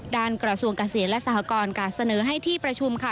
กระทรวงเกษตรและสหกรการเสนอให้ที่ประชุมค่ะ